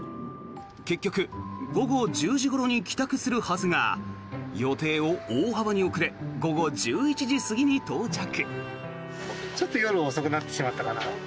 結局、午後１０時ごろに帰宅するはずが予定を大幅に遅れ午後１１時過ぎに到着。